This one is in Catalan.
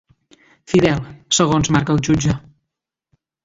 Fidel, segons marca el jutge.